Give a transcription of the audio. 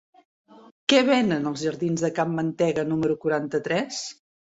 Què venen als jardins de Can Mantega número quaranta-tres?